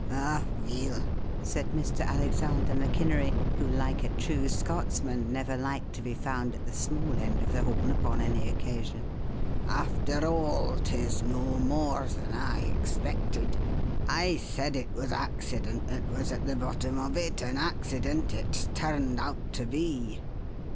"Ah, weel," said Mr. Alexander MacInery, who, like a true Scotsman, never liked to be found at the small end of the horn upon any occasion, "after all, 'tis no more than I expected. I said it was accident that was at the bottom of it, and accident it's turned out to be."